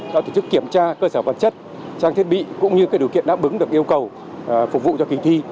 đã thực chức kiểm tra cơ sở vật chất trang thiết bị cũng như cái điều kiện đã bứng được yêu cầu phục vụ cho kỳ thi